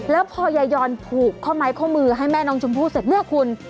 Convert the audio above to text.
แล้วพอยายยอนผูกข้อไม้ข้อมือให้แม่น้องชมพู่เสร็จเนี่ยคุณ